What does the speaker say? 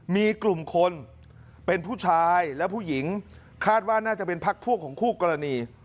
มีกลุ่มคนเป็นผู้ชายและผู้หญิงคาดว่าน่าจะเป็นพักพวกของคู่กรณี